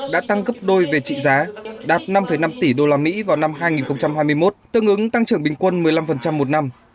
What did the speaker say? đã tăng gấp đôi về trị giá đạt năm năm tỷ usd vào năm hai nghìn hai mươi một tương ứng tăng trưởng bình quân một mươi năm một năm